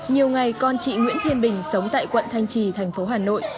nhiều ngày con chị nguyễn thiên bình sống tại quận thanh trì thành phố hà nội